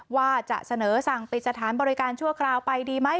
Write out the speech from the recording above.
ว่าจะเสนอสั่งปิดสถานบริการชั่วคราวไปดีไหม